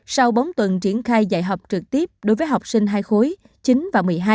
sau bốn tuần triển khai dạy học trực tiếp đối với học sinh hai khối chín và một mươi hai